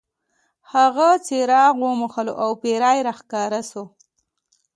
هغه څراغ وموښلو او پیری را ښکاره شو.